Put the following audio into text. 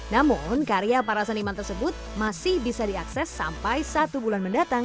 namun karya para seniman tersebut masih bisa diakses sampai satu bulan mendatang